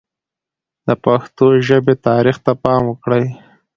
د پښتو ژبې تاریخ ته پام وکړئ.